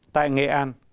tại nghệ an